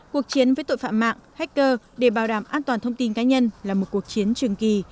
cuộc chiến với tội phạm mạng hacker để bảo đảm an toàn thông tin cá nhân là một cuộc chiến trường kỳ